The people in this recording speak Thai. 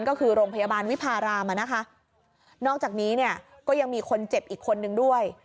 ก็คือโรงพยาบาลวิพารามานะคะนอกจากนี้เนี่ยก็ยังมีคนเจ็บอีกคนนึงด้วย